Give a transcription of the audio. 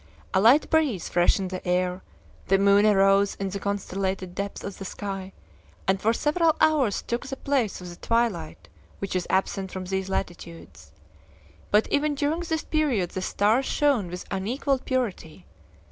A light breeze freshened the air; the moon arose in the constellated depths of the sky, and for several hours took the place of the twilight which is absent from these latitudes. But even during this period the stars shone with unequaled purity.